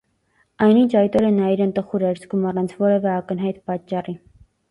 Այնինչ այդ օրը նա իրեն տխուր էր զգում, առանց որևէ ակնհայտ պատճառի: